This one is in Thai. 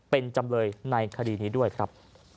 เป็นจำเลยในคดีนี้ด้วยครับ